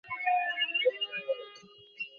একটা অদৃশ্য বিদ্যুৎ ভিতরে ভিতরে খেলিতে লাগিল।